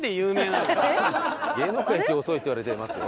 芸能界一遅いっていわれてますよ。